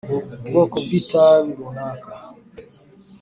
ubwoko bw itabi runaka